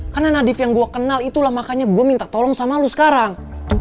karena nadif yang gua kenal itulah makanya gua minta tolong sama lu sekarang